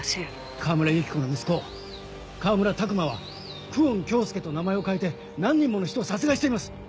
川村由紀子の息子川村琢磨は久遠京介と名前を変えて何人もの人を殺害しています。